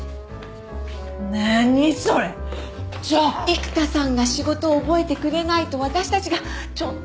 育田さんが仕事覚えてくれないと私たちがちょっと困るの。